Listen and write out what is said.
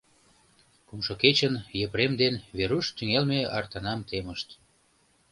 Кумшо кечын Епрем ден Веруш тӱҥалме артанам темышт.